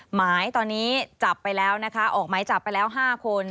หมายตอนนี้จับไปแล้วนะคะออกหมายจับไปแล้ว๕คน